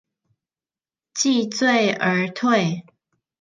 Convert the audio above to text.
既醉而退